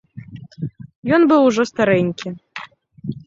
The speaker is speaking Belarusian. Ён быў ужо старэнькі.